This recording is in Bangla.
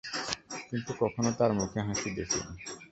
কিন্তু কখনো তার মুখে হাসি দেখিনি।